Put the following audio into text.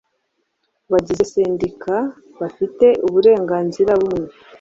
bagize Sendika bafite Uburenganzira bumwe